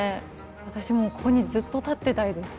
私もうここにずっと立ってたいです。